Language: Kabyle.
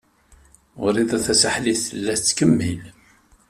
Wrida Tasaḥlit tella tettkemmil.